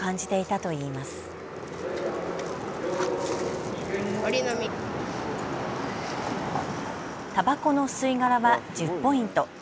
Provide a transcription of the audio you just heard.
たばこの吸い殻は１０ポイント。